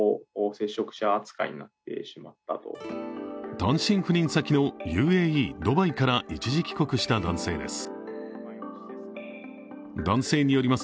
単身赴任先のＵＡＥドバイから一時帰国した男性です。